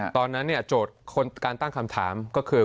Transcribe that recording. ตอนนั้นโจทย์การตั้งคำถามก็คือ